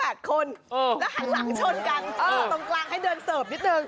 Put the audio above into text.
แล้วหันหลังชนกันตรงกลางให้เดินเสิร์ฟนิดนึง